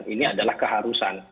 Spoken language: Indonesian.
ini adalah keharusan